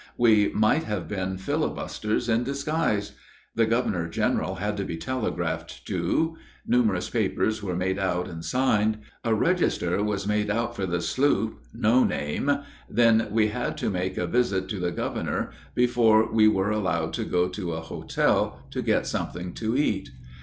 We might have been filibusters in disguise. The governor general had to be telegraphed to; numerous papers were made out and signed; a register was made out for the sloop No Name; then we had to make a visit to the governor before we were allowed to go to a hotel to get something to eat.